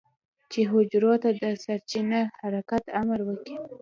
چې حجرو ته د سرچپه حرکت امر وکي.